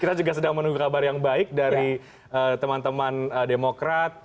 kita juga sedang menunggu kabar yang baik dari teman teman demokrat